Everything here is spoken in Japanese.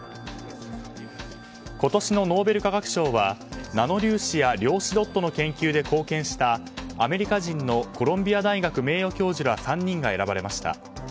今年のノーベル化学賞はナノ粒子や量子ドットの研究で貢献したアメリカ人のコロンビア大学名誉教授ら３人が選ばれました。